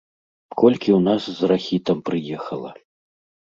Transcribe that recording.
Колькі ў нас з рахітам прыехала!